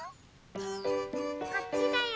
こっちだよ。